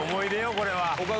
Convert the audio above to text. これは。